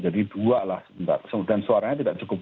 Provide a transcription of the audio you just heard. jadi dua lah sebentar dan suaranya tidak cukup